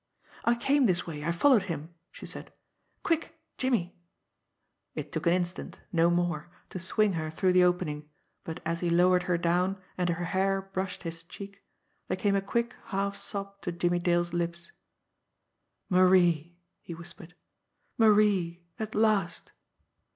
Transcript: "I came this way. I followed him," she said. "Quick Jimmie!" It took an instant, no more, to swing her through the opening, but as he lowered her down and her hair brushed his cheek, there came a quick half sob to Jimmie Dale's lips. "Mark!" he whispered. "Marie at last!"